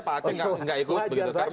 pak aceh fikri tidak ikut